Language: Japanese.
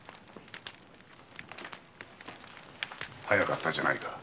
早かったじゃないか。